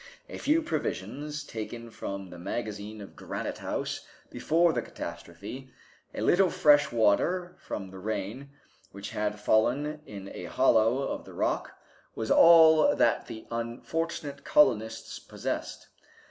A few provisions taken from the magazine of Granite House before the catastrophe, a little fresh water from the rain which had fallen in a hollow of the rock, was all that the unfortunate colonists possessed.